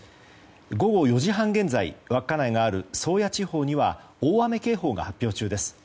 午後４時半現在稚内のある宗谷地方には大雨警報が発表中です。